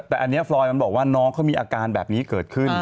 แต่อันนี้ฟรอยมันบอกว่าน้องเขามีอาการแบบนี้เกิดขึ้น